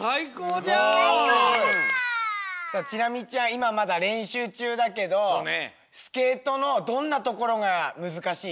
いままだれんしゅうちゅうだけどスケートのどんなところがむずかしい？